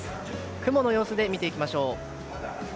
雲の様子で見ていきましょう。